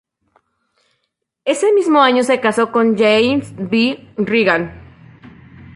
Ese mismo año se casó con James B. Regan.